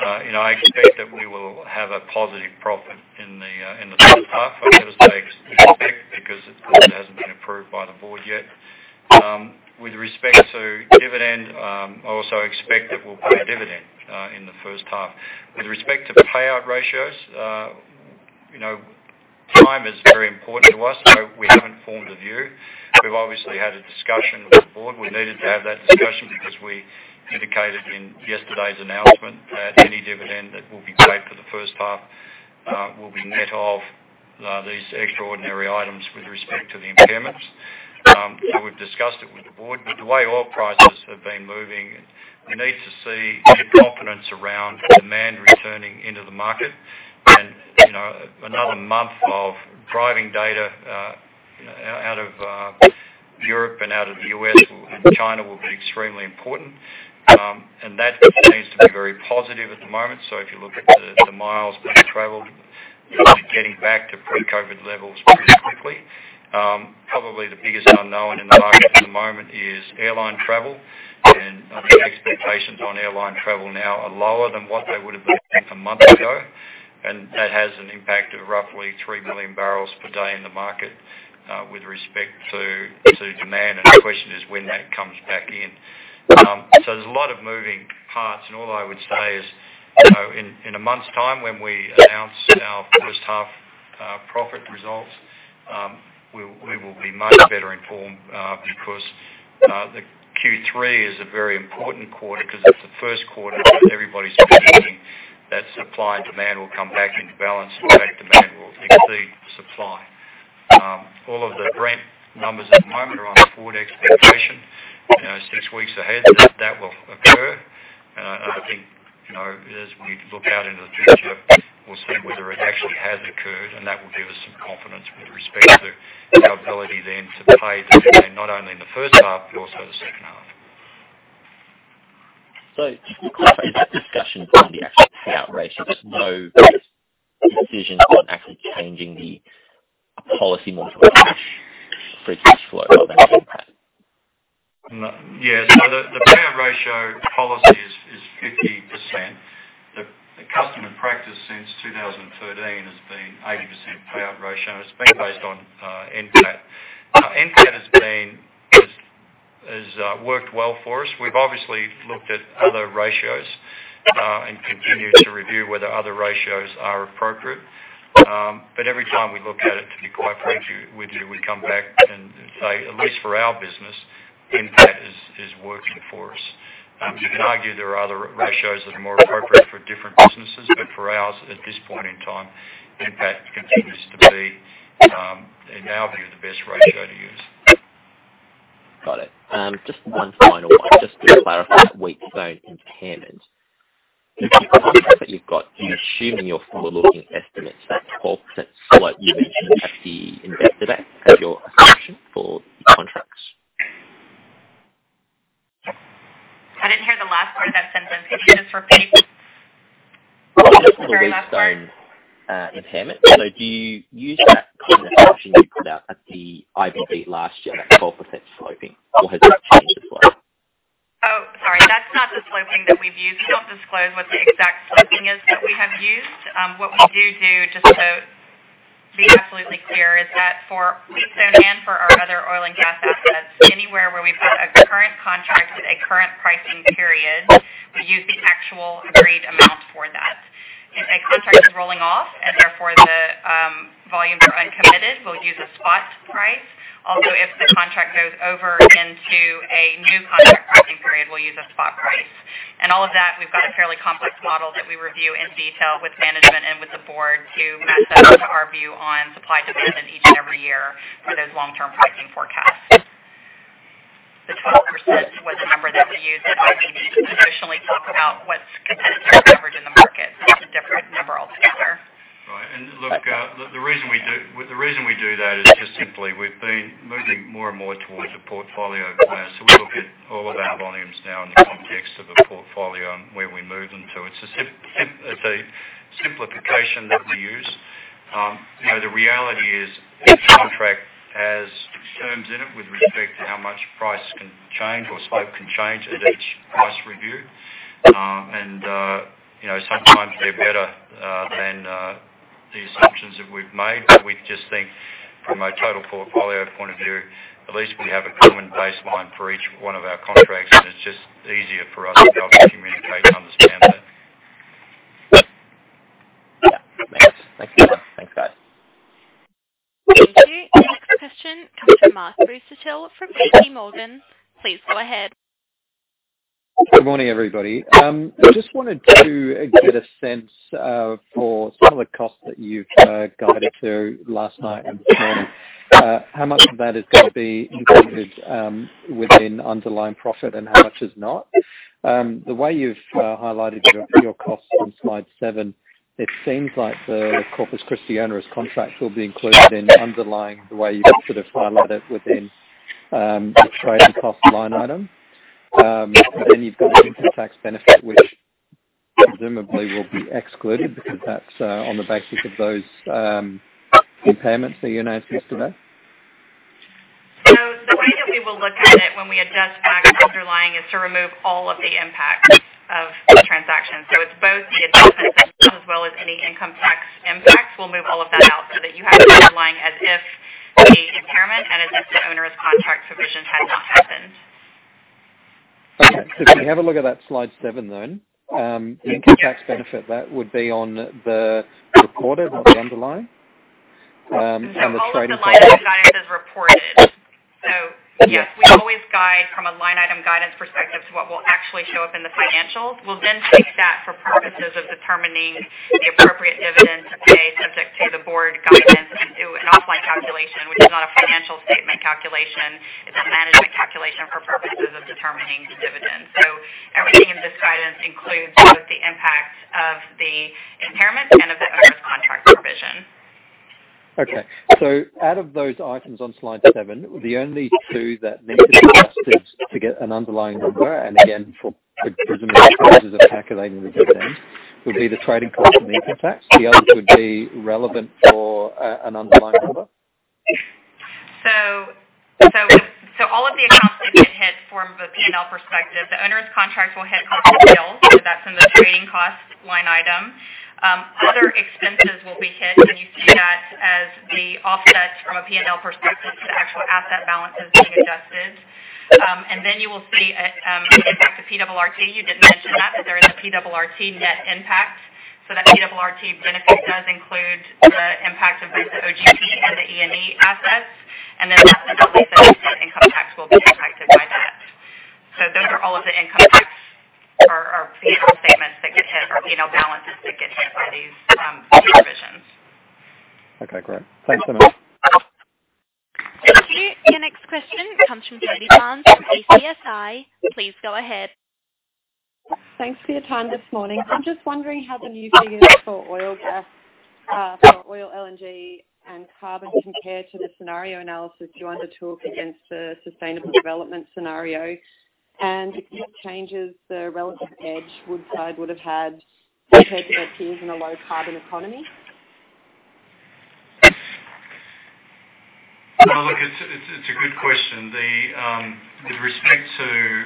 I expect that we will have a positive profit in the first half. I've got to say expect because it hasn't been approved by the board yet. With respect to dividend, I also expect that we'll pay a dividend in the first half. With respect to payout ratios, time is very important to us. We haven't formed a view. We've obviously had a discussion with the board. We needed to have that discussion because we indicated in yesterday's announcement that any dividend that will be paid for the first half will be net of these extraordinary items with respect to the impairments. So we've discussed it with the board. But the way oil prices have been moving, we need to see confidence around demand returning into the market. And another month of driving data out of Europe and out of the U.S. and China will be extremely important. And that seems to be very positive at the moment. So if you look at the miles that we've traveled, we're getting back to pre-COVID levels pretty quickly. Probably the biggest unknown in the market at the moment is airline travel. And the expectations on airline travel now are lower than what they would have been a month ago. And that has an impact of roughly three million barrels per day in the market with respect to demand. And the question is when that comes back in. So there's a lot of moving parts. All I would say is, in a month's time, when we announce our first half profit results, we will be much better informed because the Q3 is a very important quarter because it's the first quarter that everybody's predicting that supply and demand will come back into balance. In fact, demand will exceed supply. All of the Brent numbers at the moment are on forward expectation. Six weeks ahead, that will occur, and that will give us some confidence with respect to our ability then to pay dividend not only in the first half but also the second half. So just to clarify, that discussion on the actual payout ratio is no decision on actually changing the policy model for cash for its cash flow. Is that correct? Yeah, so the payout ratio policy is 50%. The custom and practice since 2013 has been 80% payout ratio. It's been based on NCAT. NCAT has worked well for us. We've obviously looked at other ratios and continued to review whether other ratios are appropriate. But every time we look at it, to be quite frank with you, we come back and say, at least for our business, NCAT is working for us. You can argue there are other ratios that are more appropriate for different businesses. But for ours, at this point in time, NCAT continues to be, in our view, the best ratio to use. Got it. Just one final one. Just to clarify that Wheatstone impairment, you've got you're assuming your forward-looking estimates that 12% slope you mentioned has the investor base as your assumption for the contracts? I didn't hear the last part of that sentence. Could you just repeat? Just to clarify that. The Wheatstone impairment. So do you use that kind of assumption you put out at the IBD last year, that 12% sloping? Or has that changed as well? Oh, sorry. That's not the sloping that we've used. We don't disclose what the exact sloping is that we have used. What we do do, just to be absolutely clear, is that for Wheatstone and for our other oil and gas assets, anywhere where we've got a current contract with a current pricing period, we use the actual agreed amount for that. If a contract is rolling off and therefore the volumes are uncommitted, we'll use a spot price. Also, if the contract goes over into a new contract pricing period, we'll use a spot price. All of that, we've got a fairly complex model that we review in detail with management and with the board to match that to our view on supply demand in each and every year for those long-term pricing forecasts. The 12% was a number that we used when we did to additionally talk about what's competitive average in the market. That's a different number altogether. Right. And look, the reason we do that is just simply we've been moving more and more towards a portfolio. So we look at all of our volumes now in the context of a portfolio and where we move them to. It's a simplification that we use. The reality is each contract has terms in it with respect to how much price can change or slope can change at each price review. And sometimes they're better than the assumptions that we've made. We just think, from a total portfolio point of view, at least we have a common baseline for each one of our contracts. And it's just easier for us to help communicate and understand that. Yeah. Thanks. Thanks, Peter. Thanks, guys. Thank you. Your next question comes from Mark Busrett from J.P. Morgan. Please go ahead. Good morning, everybody. I just wanted to get a sense for some of the costs that you've guided to last night and this morning, how much of that is going to be included within underlying profit and how much is not. The way you've highlighted your costs in slide seven, it seems like the Corpus Christi onerous contract will be included in underlying the way you've sort of highlighted it within the trade and cost line item. But then you've got the interest tax benefit, which presumably will be excluded because that's on the basis of those impairments that you announced yesterday. The way that we will look at it when we adjust back to underlying is to remove all of the impacts of the transaction. It's both the adjustment as well as any income tax impacts. We'll move all of that out so that you have underlying as if the impairment and as if the onerous contract provision had not happened. Okay, so if we have a look at that slide seven then, the income tax benefit, that would be on the reported, not the underlying? That's on the line item guidance as reported. So yes, we always guide from a line item guidance perspective to what will actually show up in the financials. We'll then take that for purposes of determining the appropriate dividend to pay subject to the board guidance and do an offline calculation, which is not a financial statement calculation. It's a management calculation for purposes of determining the dividend. So everything in this guidance includes both the impact of the impairment and of the onerous contract provision. Okay. So out of those items on slide seven, the only two that need to be adjusted to get an underlying number, and again, for the purposes of calculating the dividend, would be the trading cost and the income tax. The others would be relevant for an underlying number? All of the accounts that get hit from the P&L perspective, the onerous contract will hit cost of sales. That's in the trading cost line item. Other expenses will be hit. You see that as the offset from a P&L perspective to the actual asset balances being adjusted. Then you will see an impact of PRRT. You didn't mention that, but there is a PRRT net impact. That PRRT benefit does include the impact of both the Greater Pluto and the E&E assets. That's the only thing that income tax will be impacted by that. Those are all of the income tax or P&L statements that get hit or P&L balances that get hit by these provisions. Okay. Great. Thanks so much. Thank you. Your next question comes from Uncertain from ACSI. Please go ahead. Thanks for your time this morning. I'm just wondering how the new figures for oil, LNG, and carbon compare to the scenario analysis you undertook against the Sustainable Development Scenario. And if it changes, the relative edge Woodside would have had compared to their peers in a low-carbon economy? Look, it's a good question. With respect to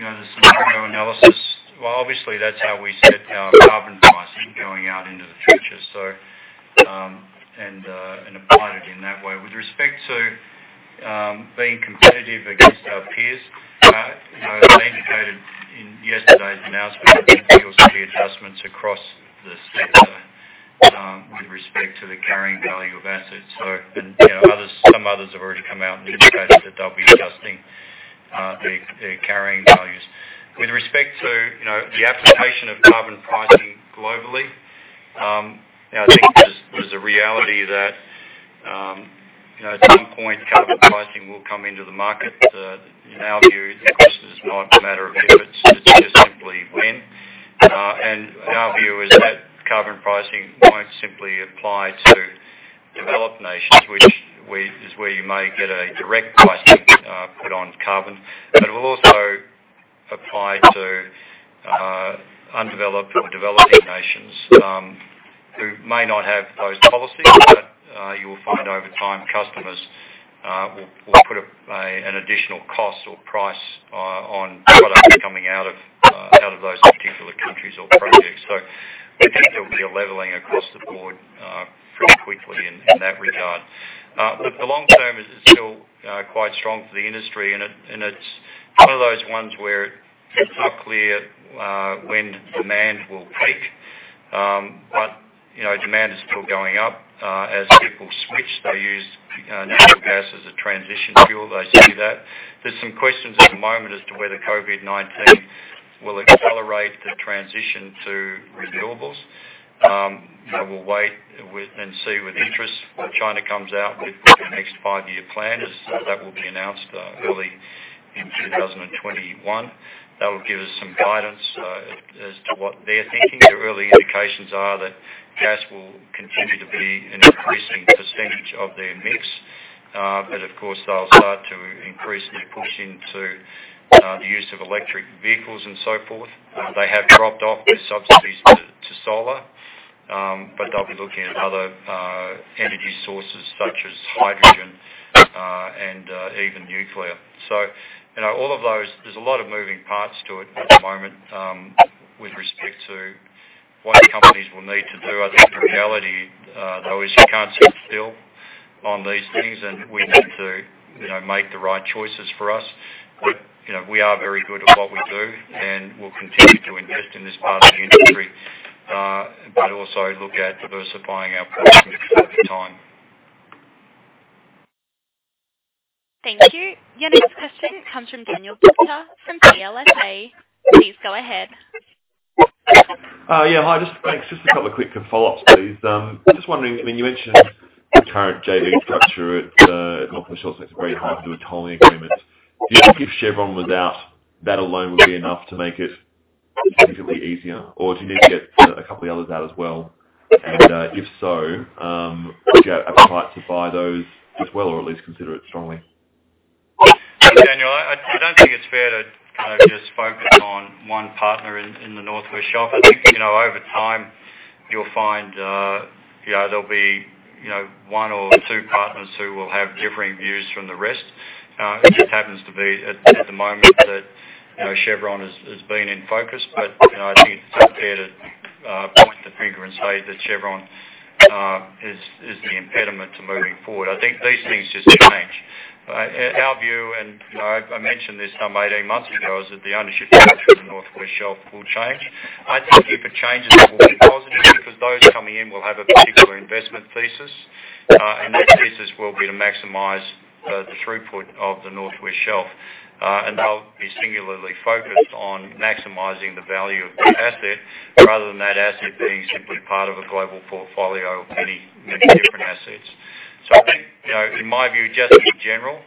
the scenario analysis, well, obviously, that's how we set our carbon pricing going out into the future, and applied it in that way. With respect to being competitive against our peers, as I indicated in yesterday's announcement, there will still be adjustments across the sector with respect to the carrying value of assets, and some others have already come out and indicated that they'll be adjusting their carrying values. With respect to the application of carbon pricing globally, I think there's a reality that at some point, carbon pricing will come into the market. In our view, the question is not a matter of if. It's just simply when, and our view is that carbon pricing won't simply apply to developed nations, which is where you may get a direct pricing put on carbon. But it will also apply to undeveloped or developing nations who may not have those policies. But you will find over time, customers will put an additional cost or price on products coming out of those particular countries or projects. So I think there'll be a leveling across the board pretty quickly in that regard. But the long term is still quite strong for the industry. And it's one of those ones where it's not clear when demand will peak. But demand is still going up. As people switch, they use natural gas as a transition fuel. They see that. There's some questions at the moment as to whether COVID-19 will accelerate the transition to renewables. We'll wait and see with interest. China comes out with the next five-year plan. That will be announced early in 2021. That will give us some guidance as to what they're thinking. The early indications are that gas will continue to be an increasing percentage of their mix, but of course, they'll start to increasingly push into the use of electric vehicles and so forth. They have dropped off their subsidies to solar, but they'll be looking at other energy sources such as hydrogen and even nuclear, so all of those, there's a lot of moving parts to it at the moment with respect to what companies will need to do. I think the reality, though, is you can't sit still on these things, and we need to make the right choices for us, but we are very good at what we do, and we'll continue to invest in this part of the industry, but also look at diversifying our pricing over time. Thank you. Your next question comes from Daniel Butcher from CLSA. Please go ahead. Yeah. Hi. Just a couple of quick follow-ups, please. Just wondering, I mean, you mentioned the current JV structure at North West Shelf. It's very hard to do a tolling agreement. Do you think if Chevron was out, that alone would be enough to make it significantly easier? Or do you need to get a couple of others out as well? And if so, would you have appetite to buy those as well or at least consider it strongly? Hey, Daniel. I don't think it's fair to kind of just focus on one partner in the North West Shelf. I think over time, you'll find there'll be one or two partners who will have differing views from the rest. It just happens to be at the moment that Chevron has been in focus. But I think it's not fair to point the finger and say that Chevron is the impediment to moving forward. I think these things just change. Our view, and I mentioned this some 18 months ago, is that the ownership structure in the North West Shelf will change. I think if it changes, it will be positive because those coming in will have a particular investment thesis. And that thesis will be to maximize the throughput of the North West Shelf. And they'll be singularly focused on maximizing the value of the asset rather than that asset being simply part of a global portfolio of many different assets. So I think, in my view, just in general,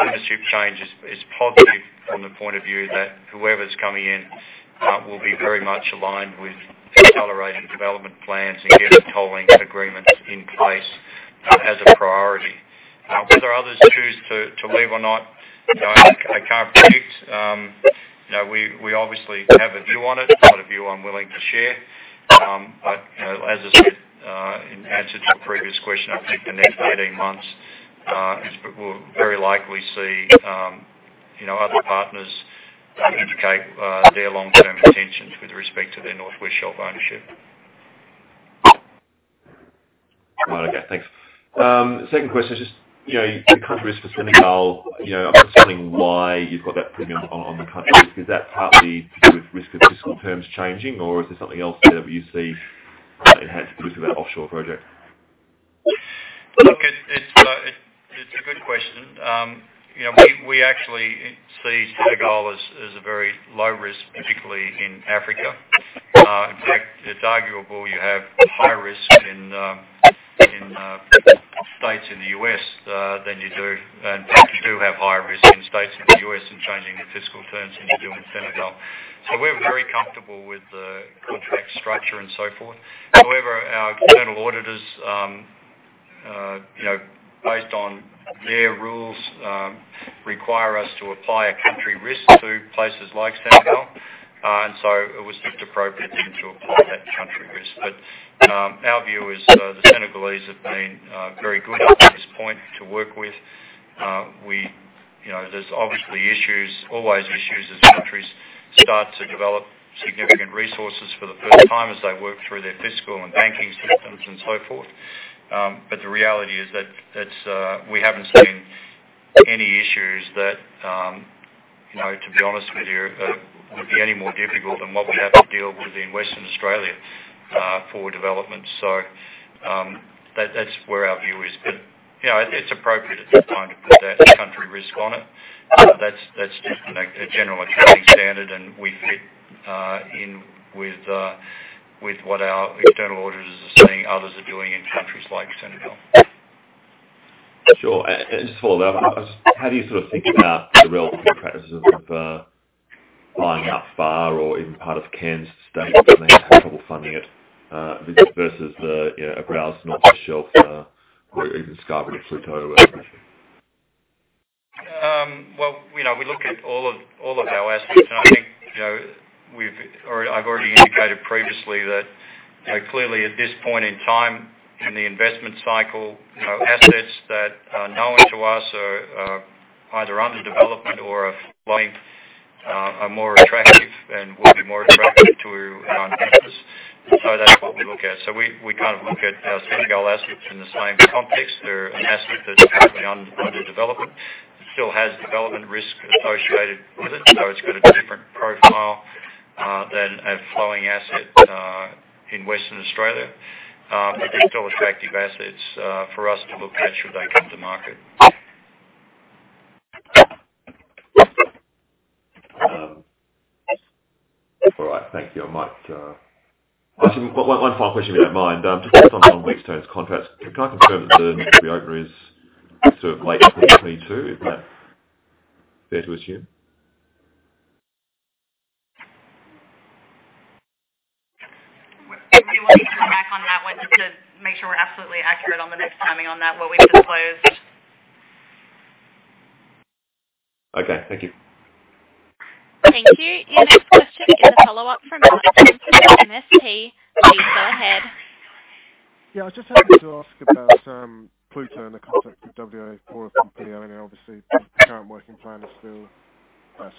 ownership change is positive from the point of view that whoever's coming in will be very much aligned with accelerating development plans and getting tolling agreements in place as a priority. Whether others choose to leave or not, I can't predict. We obviously have a view on it, not a view I'm willing to share. But as I said, in answer to a previous question, I think the next 18 months, we'll very likely see other partners indicate their long-term intentions with respect to their North West Shelf ownership. Right. Okay. Thanks. Second question is just the country risk for Senegal. I'm just wondering why you've got that premium on the country. Is that partly to do with the risk of fiscal terms changing? Or is there something else there that you see that enhances the risk of that offshore project? Look, it's a good question. We actually see Senegal as a very low risk, particularly in Africa. In fact, it's arguably you have high risk in states in the U.S. than you do. In fact, you do have higher risk in states in the U.S. in changing the fiscal terms than you do in Senegal. So we're very comfortable with the contract structure and so forth. However, our external auditors, based on their rules, require us to apply a country risk to places like Senegal. So it was just appropriate to apply that country risk. Our view is the Senegalese have been very good up to this point to work with. There's obviously issues, always issues, as countries start to develop significant resources for the first time as they work through their fiscal and banking systems and so forth. But the reality is that we haven't seen any issues that, to be honest with you, would be any more difficult than what we have to deal with in Western Australia for development. So that's where our view is. But it's appropriate at this time to put that country risk on it. That's just a general accounting standard. And we fit in with what our external auditors are seeing others are doing in countries like Senegal. Sure. And just to follow that up, how do you sort of think about the relative impact of buying out FAR or even part of Cairn Energy when they have trouble funding it versus a Browse North West Shelf or even Scarborough or Pluto? We look at all of our assets. I think I've already indicated previously that clearly, at this point in time in the investment cycle, assets that are known to us are either under development or are flowing are more attractive and will be more attractive to investors. So that's what we look at. We kind of look at our Senegal assets in the same context. They're an asset that's currently under development. It still has development risk associated with it. So it's got a different profile than a flowing asset in Western Australia. But they're still attractive assets for us to look at should they come to market. All right. Thank you. I might ask you one final question if you don't mind. Just based on the Wheatstone's terms of contracts, can I confirm that the opening is sort of late 2022? Is that fair to assume? If you want me to come back on that one, just to make sure we're absolutely accurate on the next timing on that, we'll leave this closed. Okay. Thank you. Thank you. Your next question is a follow-up from Mark Samter from MST. Please go ahead. Yeah. I was just hoping to ask about Pluto and the concept of WA for a company. I mean, obviously, the current working plan is still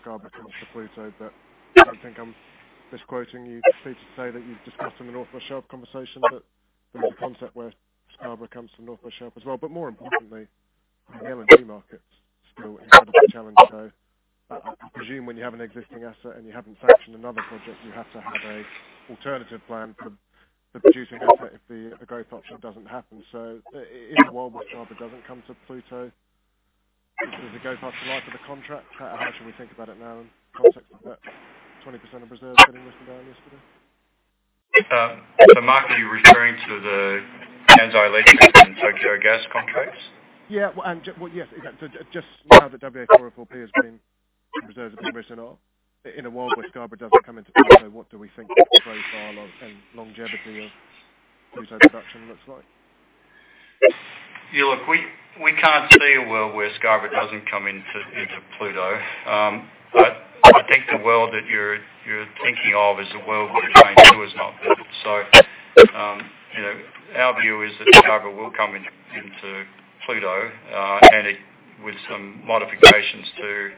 Scarborough comes to Pluto. But I don't think I'm misquoting you to say that you've discussed in the North West Shelf conversation that there is a concept where Scarborough comes to North West Shelf as well. But more importantly, the LNG market's still incredibly challenged. So I presume when you have an existing asset and you haven't sanctioned another project, you have to have an alternative plan for producing asset if the growth option doesn't happen. So in a world where Scarborough doesn't come to Pluto, is the growth option life of the contract? How should we think about it now in the context of that 20% of reserves getting written down yesterday? So Mark, are you referring to the Kansai allocation and Tokyo Gas contracts? Yeah. Well, yes. Exactly. Just now that Woodside's reserves have been written off. In a world where Scarborough doesn't come into Pluto, what do we think the profile and longevity of Pluto production looks like? Yeah. Look, we can't see a world where Scarborough doesn't come into Pluto. But I think the world that you're thinking of as a world where change does not happen. So our view is that Scarborough will come into Pluto with some modifications to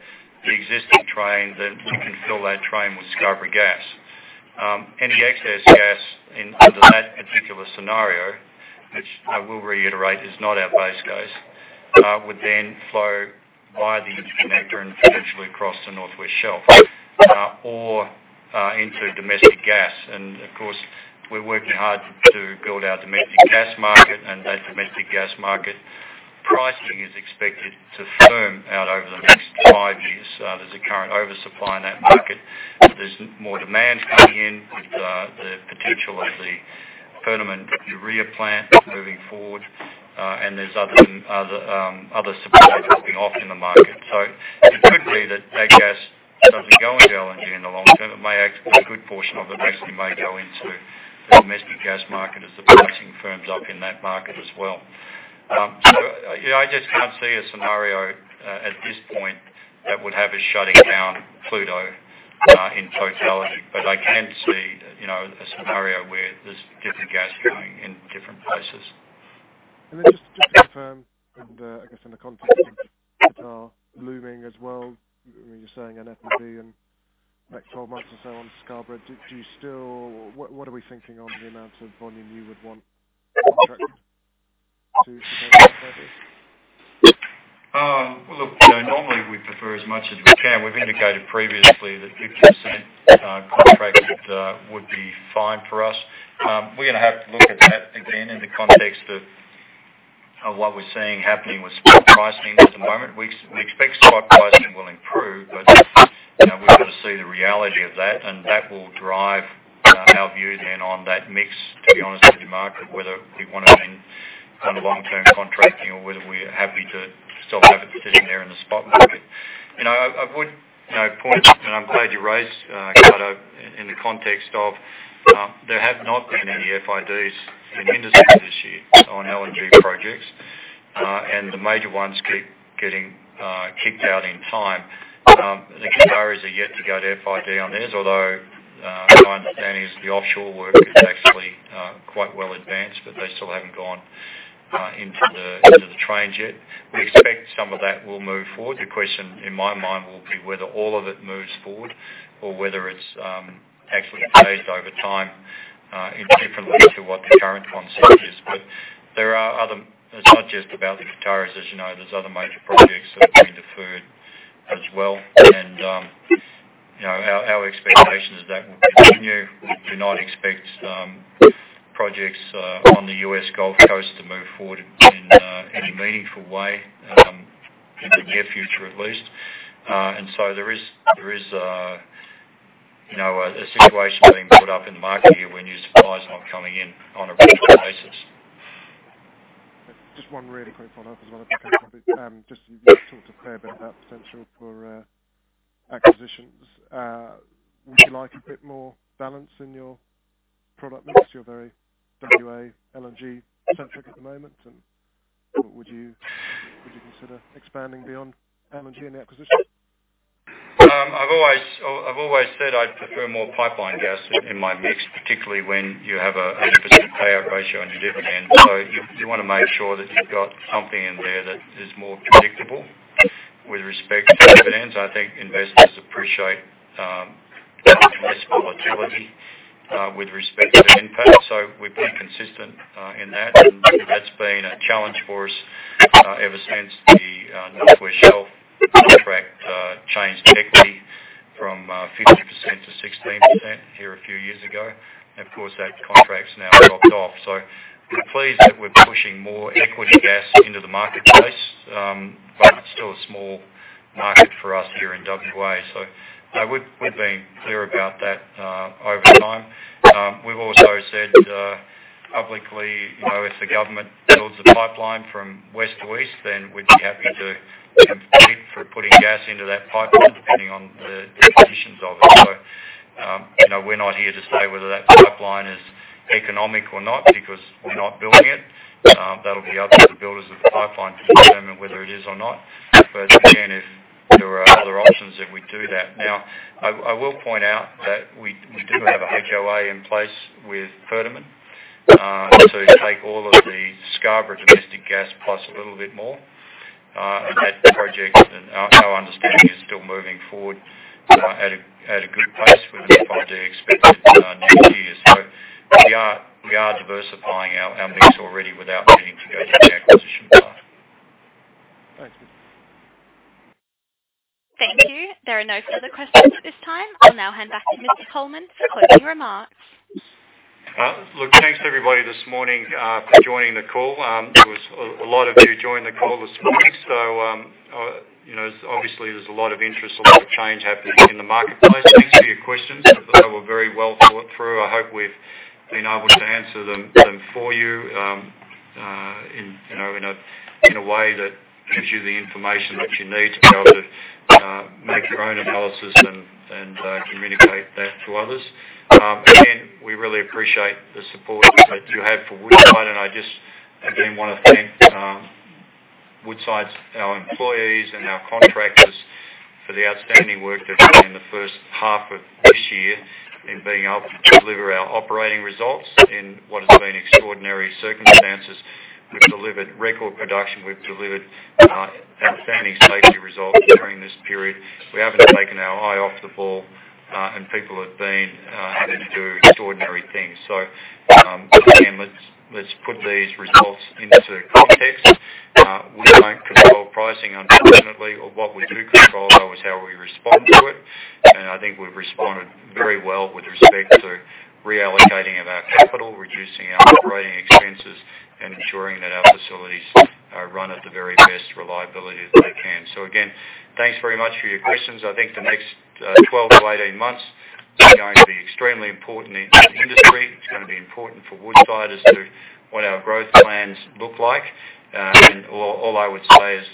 the existing train that we can fill that train with Scarborough gas. Any excess gas under that particular scenario, which I will reiterate is not our base case, would then flow by the connector and potentially across the North West Shelf or into domestic gas. And of course, we're working hard to build our domestic gas market. And that domestic gas market pricing is expected to firm out over the next five years. There's a current oversupply in that market. There's more demand coming in with the potential of the Perdaman and urea plant moving forward. And there's other suppliers dropping off in the market. So it could be that that gas doesn't go in LNG in the long term. A good portion of it actually may go into the domestic gas market as the pricing firms up in that market as well. So I just can't see a scenario at this point that would have us shutting down Pluto in totality. But I can see a scenario where there's different gas going in different places. And then just to confirm, I guess in the context of Pluto looming as well, you're saying FID and next 12 months or so on Scarborough. What are we thinking on the amount of volume you would want contracted to go to? Look, normally we prefer as much as we can. We've indicated previously that 50% contracted would be fine for us. We're going to have to look at that again in the context of what we're seeing happening with spot pricing at the moment. We expect spot pricing will improve. But we've got to see the reality of that. And that will drive our view then on that mix, to be honest, with the market, whether we want to be on the long-term contracting or whether we're happy to still have a decision there in the spot market. I would point, and I'm glad you raised Qatar in the context of there have not been any FIDs in industry this year on LNG projects. And the major ones keep getting kicked out in time. The Qataris are yet to go to FID on theirs. Although my understanding is the offshore work is actually quite well advanced, but they still haven't gone into the trains yet. We expect some of that will move forward. The question in my mind will be whether all of it moves forward or whether it's actually phased over time and differently to what the current concept is. But there are others, it's not just about the Canadians. As you know, there's other major projects that have been deferred as well. And our expectation is that will continue. We do not expect projects on the U.S. Gulf Coast to move forward in any meaningful way in the near future at least. And so there is a situation being brought up in the market here where new suppliers aren't coming in on a regular basis. Just one really quick follow-up as well. Just to talk to clear about that potential for acquisitions. Would you like a bit more balance in your product mix? You're very WA LNG-centric at the moment. And would you consider expanding beyond LNG in the acquisition? I've always said I'd prefer more pipeline gas in my mix, particularly when you have a 100% payout ratio on your dividend, so you want to make sure that you've got something in there that is more predictable with respect to dividends. I think investors appreciate much less volatility with respect to impact, so we've been consistent in that, and that's been a challenge for us ever since the North West Shelf contract changed equity from 50% to 16% here a few years ago, and of course, that contract's now dropped off, so we're pleased that we're pushing more equity gas into the marketplace, but it's still a small market for us here in WA, so we've been clear about that over time. We've also said publicly, if the government builds a pipeline from west to east, then we'd be happy to compete for putting gas into that pipeline depending on the conditions of it. So we're not here to say whether that pipeline is economic or not because we're not building it. That'll be up to the builders of the pipeline to determine whether it is or not. But again, if there are other options, then we'd do that. Now, I will point out that we do have a HOA in place with Perdaman to take all of the Scarborough domestic gas plus a little bit more. And that project, in our understanding, is still moving forward at a good pace with respect to expected next year. So we are diversifying our mix already without needing to go to the acquisition part. Thank you. Thank you. There are no further questions at this time. I'll now hand back to Mr. Coleman for closing remarks. Look, thanks everybody this morning for joining the call. There was a lot of you joining the call this morning. So obviously, there's a lot of interest, a lot of change happening in the marketplace. Thanks for your questions. I thought they were very well thought through. I hope we've been able to answer them for you in a way that gives you the information that you need to be able to make your own analysis and communicate that to others. Again, we really appreciate the support that you have for Woodside. And I just, again, want to thank Woodside, our employees, and our contractors for the outstanding work they've done in the first half of this year in being able to deliver our operating results in what has been extraordinary circumstances. We've delivered record production. We've delivered outstanding safety results during this period. We haven't taken our eye off the ball. And people have been having to do extraordinary things. So again, let's put these results into context. We don't control pricing, unfortunately. What we do control, though, is how we respond to it. And I think we've responded very well with respect to reallocating of our capital, reducing our operating expenses, and ensuring that our facilities run at the very best reliability that they can. So again, thanks very much for your questions. I think the next 12-18 months are going to be extremely important in the industry. It's going to be important for Woodside to what our growth plans look like. And all I would say is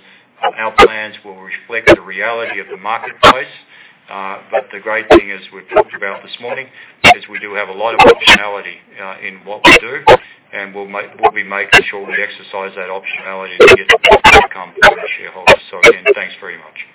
our plans will reflect the reality of the marketplace. But the great thing as we've talked about this morning is we do have a lot of optionality in what we do. We'll be making sure we exercise that optionality to get the best outcome for our shareholders. Again, thanks very much.